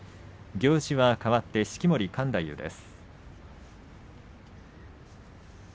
行司かわって式守勘太夫です。